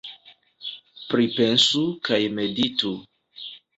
Pripensu kaj meditu.